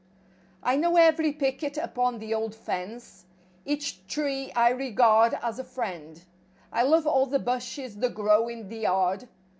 I know every picket upon the old fence; Each tree I regard as a friend; I love all the bushes that grow in the yard.